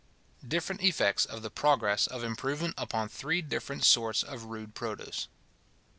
_Different Effects of the Progress of Improvement upon three different sorts of rude Produce.